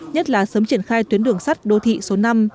nhất là sớm triển khai tuyến đường sắt đô thị số năm